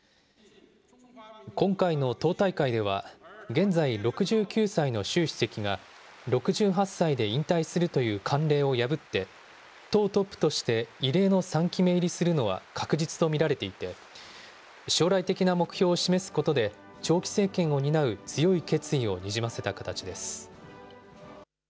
今回の党大会では、現在６９歳の習主席が、６８歳で引退するという慣例を破って、党トップとして異例の３期目入りするのは確実と見られていて、将来的な目標を示すことで、長期政権を担う強い決意をにじませた形です。